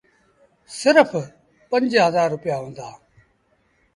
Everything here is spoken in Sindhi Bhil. سرڦ پنج هزآر رپيآ هُݩدآ۔